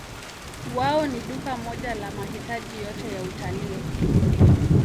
Wao ni duka moja la mahitaji yote ya utalii.